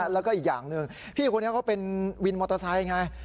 แล้วก็อีกอย่างหนึ่งพี่คนนี้เขาเป็นวินมอเตอร์ไซค์ไง